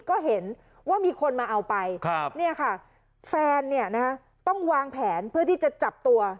ก็เห็นว่ามีคนมาเอาไปเนี่ยค่ะแฟนเนี่ยนะฮะต้องวางแผนเพื่อที่จะจับตัว